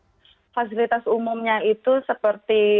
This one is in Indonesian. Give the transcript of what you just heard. apa saja fasilitas pelayanan umum yang masih dibuka hingga saat ini